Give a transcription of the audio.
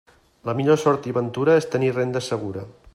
La millor sort i ventura, és tenir renda segura.